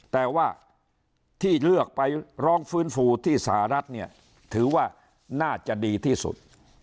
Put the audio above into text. แต่ว่าที่เลือกไปร้องฟื้นฟูที่สหรัฐเนี่ยถือว่าน่าจะดีที่สุด